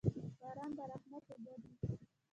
باران د رحمت اوبه دي